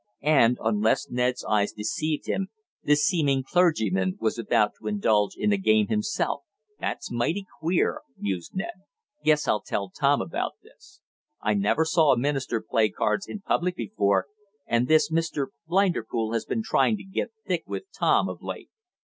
And, unless Ned's eyes deceived him, the seeming clergyman was about to indulge in a game himself. "That's mighty queer," mused Ned. "Guess I'll tell Tom about this. I never saw a minister play cards in public before, and this Mr. Blinderpool has been trying to get thick with Tom, of late.